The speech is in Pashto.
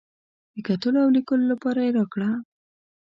د کتلو او لیکلو لپاره یې راکړه.